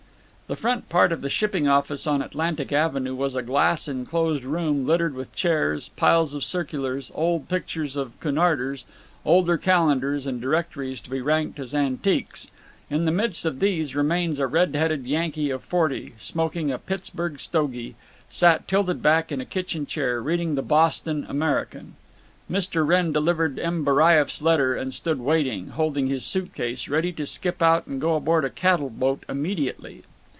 The front part of the shipping office on Atlantic Avenue was a glass inclosed room littered with chairs, piles of circulars, old pictures of Cunarders, older calendars, and directories to be ranked as antiques. In the midst of these remains a red headed Yankee of forty, smoking a Pittsburg stogie, sat tilted back in a kitchen chair, reading the Boston American. Mr. Wrenn delivered M. Baraieff's letter and stood waiting, holding his suit case, ready to skip out and go aboard a cattle boat immediately.